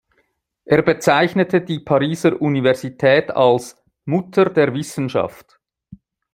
Er bezeichnete die Pariser Universität als „Mutter der Wissenschaften“.